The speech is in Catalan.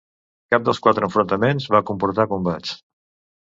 Cap dels quatre enfrontaments va comportar combats.